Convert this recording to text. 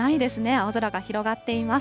青空が広がっています。